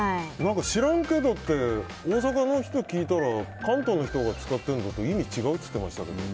知らんけどって大阪の人聞いたら関東の人が使ってるのと意味違うって聞きましたけど。